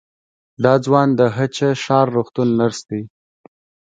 دا ځوان د هه چه ښار روغتون نرس دی.